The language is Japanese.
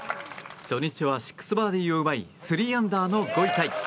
初日は６バーディーを奪い３アンダーの５位タイ。